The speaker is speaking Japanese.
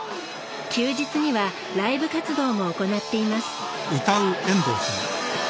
休日にはライブ活動も行っています。